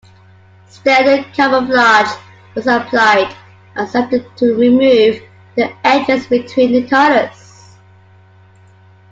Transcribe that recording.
Standard camouflage was applied and sanded to remove the edges between the colors.